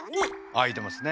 あいてますね。